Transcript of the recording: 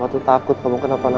papa tuh takut kamu kenapa napa nak